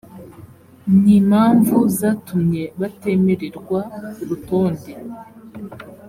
n impamvu zatumye batemererwa urutonde